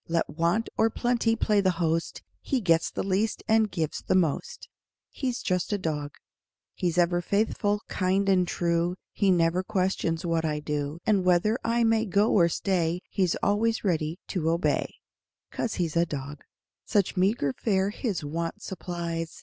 Let want or plenty play the host, He gets the least and gives the most He's just a dog. He's ever faithful, kind and true; He never questions what I do, And whether I may go or stay, He's always ready to obey 'Cause he's a dog. Such meager fare his want supplies!